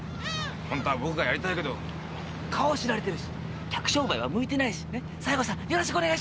本当は僕がやりたいけど顔を知られてるし客商売は向いてないし西郷さんよろしくお願いします